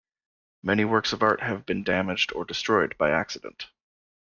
Many works of art have been damaged or destroyed by accident.